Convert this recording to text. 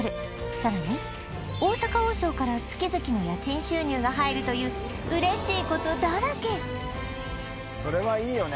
さらに大阪王将から月々の家賃収入が入るという嬉しいことだらけそれはいいよね